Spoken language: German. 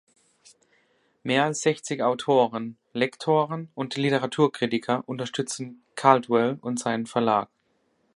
Mehr als sechzig Autoren, Lektoren und Literaturkritiker unterstützen Caldwell und seinen Verlag.